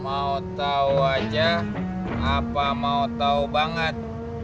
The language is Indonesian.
mau tahu aja apa mau tahu banget